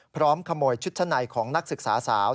พร้อมขโมยชุดชั้นในของนักศึกษาสาว